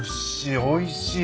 おいしい。